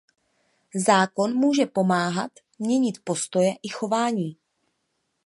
Zákon může pomáhat měnit postoje i chování.